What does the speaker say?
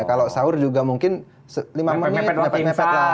kalau sahur juga mungkin lima menit dapat mepet lah